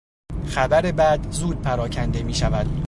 خبر بد زود پراکنده میشود.